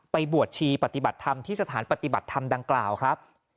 ไปบวชชีปฏิบัติธรรมที่สถานปฏิบัติธรรมดังกล่าวครับ